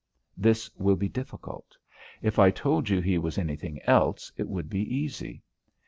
This will be difficult; if I told you he was anything else it would be easy.